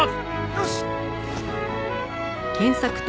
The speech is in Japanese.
よし！